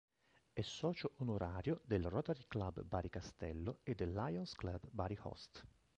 È socio onorario del Rotary Club Bari Castello e del Lions Club Bari Host.